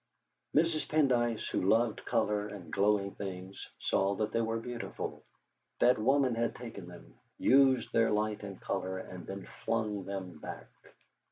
Mrs. Pendyce, who loved colour and glowing things, saw that they were beautiful. That woman had taken them, used their light and colour, and then flung them back!